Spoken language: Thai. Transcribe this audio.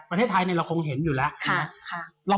ประเทศไทยเราคงเห็นอยู่แล้ว